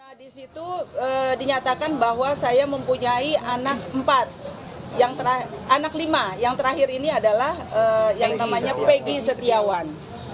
nah disitu dinyatakan bahwa saya mempunyai anak empat anak lima yang terakhir ini adalah yang namanya peggy setiawan